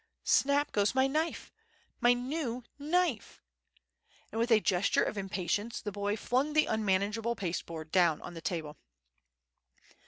snap goes my knife, my new knife!" and with a gesture of impatience the boy flung the unmanageable pasteboard down on the table.